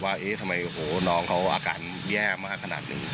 ว่าเอ๊ะทำไมน้องเขาอาการแย่มากขนาดนี้